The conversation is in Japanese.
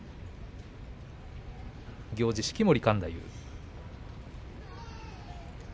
行司は式守勘太夫。